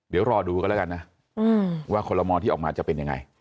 เดี๋ยวรอดูกันแล้วกันนะว่าคอลโมที่ออกมาจะเป็นยังไง